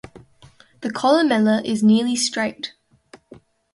The columella is nearly straight.